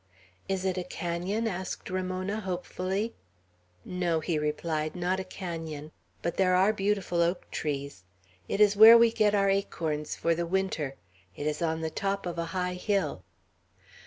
"Is it a canon?" asked Ramona, hopefully. "No," he replied, "not a canon; but there are beautiful oak trees. It is where we get our acorns for the winter. It is on the top of a high hill."